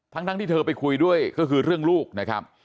ทั้งที่เธอไปคุยด้วยก็คือเรื่องลูกนะครับ